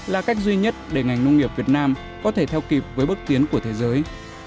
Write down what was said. là cách duy nhất để ngành nông nghiệp việt nam có thể theo kịp với bước tiến của thế giới